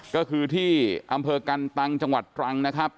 ก็คือที่อำเภอกันตังจังหวัดตรังนะครับ